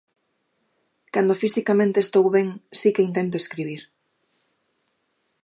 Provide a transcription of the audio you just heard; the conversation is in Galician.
Cando fisicamente estou ben, si que intento escribir.